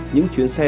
những chuyến xe chạy